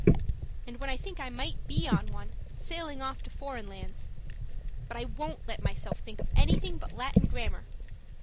And when I think I might be on one, sailing off to foreign lands but I WON'T let myself think of anything but Latin Grammar.